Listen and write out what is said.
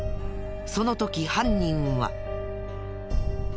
その時犯人は。